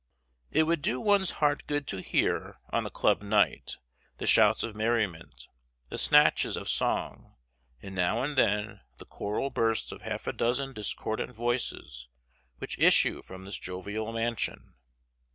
It would do one's heart good to hear, on a club night, the shouts of merriment, the snatches of song, and now and then the choral bursts of half a dozen discordant voices, which issue from this jovial mansion.